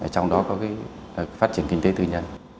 trong đó có phát triển kinh tế tư nhân